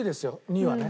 ２はね